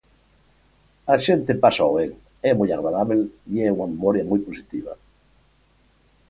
A xente pásao ben, é moi agradábel e é unha memoria moi positiva.